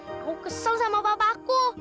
aku kesel sama bapakku